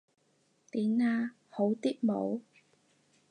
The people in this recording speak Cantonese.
點呀？好啲冇？